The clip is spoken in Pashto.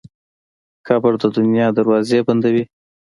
قبر د دنیا دروازې بندوي.